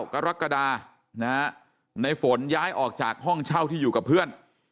กรกฎาในฝนย้ายออกจากห้องเช่าที่อยู่กับเพื่อน